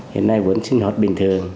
hiện nay vẫn sinh hoạt bình thường